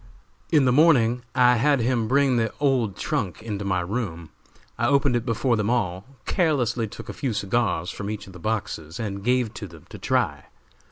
In the morning I had him bring the old trunk into my room. I opened it before them all, carelessly took a few cigars from each of the boxes and gave to them to try.